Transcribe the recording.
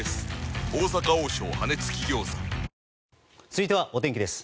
続いてはお天気です。